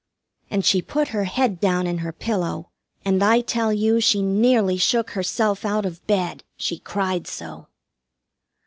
And she put her head down in her pillow, and I tell you she nearly shook herself, out of bed she cried so.